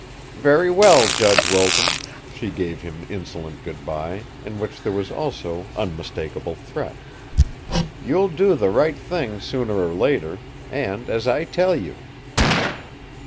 "Very well, Judge Wilton!" she gave him insolent good bye, in which there was also unmistakable threat. "You'll do the right thing sooner or later and as I tell you.